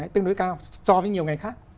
tương đối cao cho với nhiều ngành khác